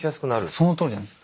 そのとおりなんです。